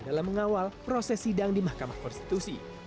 dalam mengawal proses sidang di mahkamah konstitusi